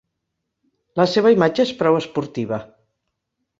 La seva imatge és prou esportiva.